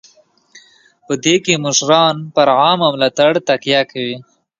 په دې کې مشران پر عامه ملاتړ تکیه کوي.